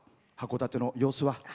函館の様子は。